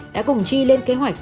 đã cùng chi lên kế hoạch